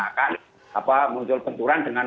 akan muncul benturan